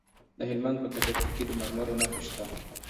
د هلمند په کجکي کې د مرمرو نښې شته.